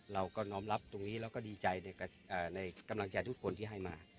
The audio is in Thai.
เราก็น้อมรับตรงนี้แล้วก็ดีใจในกำลังใจทุกคนที่ให้มา